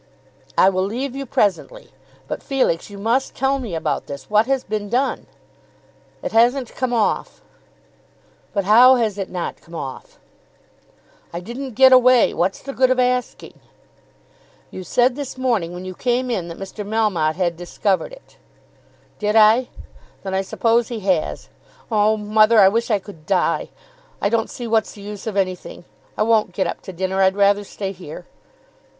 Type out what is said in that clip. "I will leave you presently; but, Felix, you must tell me about this. What has been done?" "It hasn't come off." "But how has it not come off?" "I didn't get away. What's the good of asking?" "You said this morning when you came in, that Mr. Melmotte had discovered it." "Did I? Then I suppose he has. Oh, mother, I wish I could die. I don't see what's the use of anything. I won't get up to dinner. I'd rather stay here."